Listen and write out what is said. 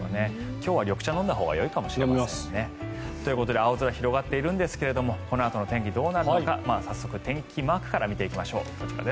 今日は緑茶を飲んだほうがいいかもしれませんね。ということで青空広がっているんですがこのあとの天気どうなるのか早速、天気マークから見ていきましょう。